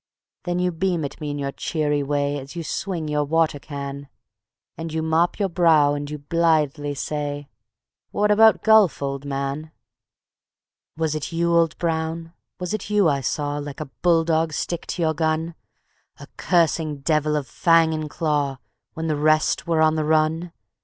Then you beam at me in your cheery way As you swing your water can; And you mop your brow and you blithely say: 'What about golf, old man?' _"Was it you, old Brown, was it you I saw Like a bull dog stick to your gun, A cursing devil of fang and claw When the rest were on the run?